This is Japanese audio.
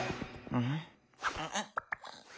うん？